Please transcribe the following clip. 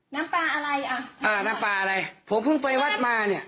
ถามได้แต่พี่มาโวยวาย